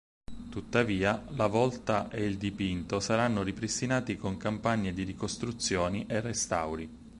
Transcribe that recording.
Tuttavia, la volta e il dipinto saranno ripristinati con campagne di ricostruzioni e restauri.